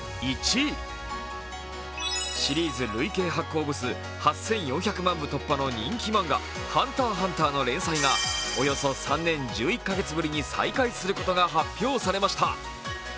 シリーズ累計発行部数８４００万部突破の人気漫画、「ＨＵＮＴＥＲ×ＨＵＮＴＥＲ」の連載がおよそ３年１１か月ぶりに再開することが発表されました。